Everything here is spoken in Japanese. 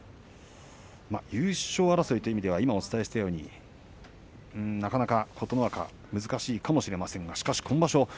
優勝争いという意味では今お伝えしたように、なかなか琴ノ若、難しいかもしれませんがしかし今場所